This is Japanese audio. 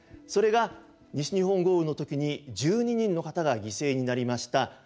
それが西日本豪雨の時に１２人の方が犠牲になりました